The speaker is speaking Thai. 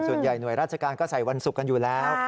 หน่วยราชการก็ใส่วันศุกร์กันอยู่แล้ว